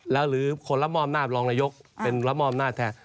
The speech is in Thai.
แล้วหรือคนละมอบหน้ารองนายกเป็นละมอบหน้าแท้